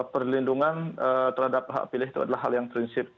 perlindungan terhadap hak pilih itu adalah hal yang prinsip